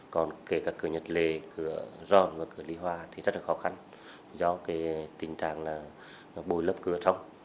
còn kể cả cửa nhật lề cửa rom và cửa lý hòa thì rất là khó khăn do cái tình trạng là bồi lấp cửa sông